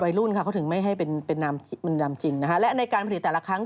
วัยรุ่นค่ะเขาถึงไม่ให้เป็นนามจิ้นและในการผลิตแต่ละครั้ง